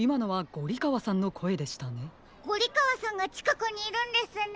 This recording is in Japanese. ゴリかわさんがちかくにいるんですね。